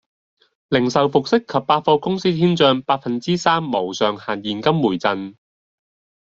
零售服飾及百貨公司簽賬百分之三無上限現金回贈